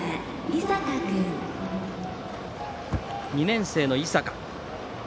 ２年生の井坂。